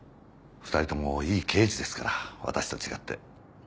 ２人ともいい刑事ですから私と違って。